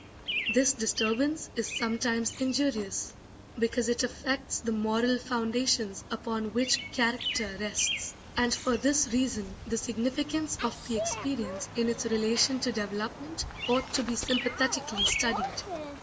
This disturbance is sometimes injurious, because it affects the moral foundations upon which character rests; and for this reason the significance of the experience in its relation to development ought to be sympathetically studied.